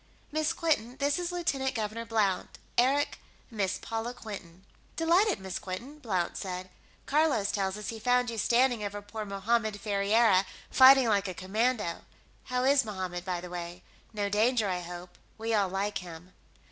Miss Quinton, this is Lieutenant Governor Blount. Eric, Miss Paula Quinton." "Delighted, Miss Quinton," Blount said. "Carlos tells us he found you standing over poor Mohammed Ferriera, fighting like a commando. How is Mohammed, by the way? No danger, I hope; we all like him."